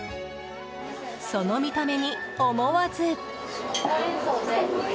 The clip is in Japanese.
その見た目に思わず。